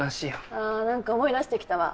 ああなんか思い出してきたわ。